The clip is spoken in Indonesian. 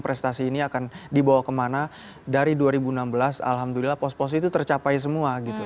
prestasi ini akan dibawa kemana dari dua ribu enam belas alhamdulillah pos pos itu tercapai semua gitu